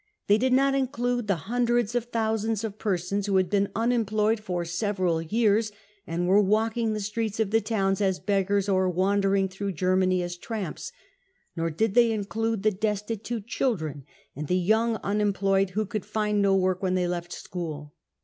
They did not include the hundreds of thousands of persons * who had been unemployed for several years and were walking the streets of the towns as beggars or wandering through Germany as tramps ; nor did they include the destitute children and the young unemployed who could find no work when they left school.